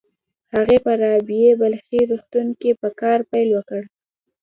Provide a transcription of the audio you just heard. هغې په رابعه بلخي روغتون کې په کار پيل وکړ.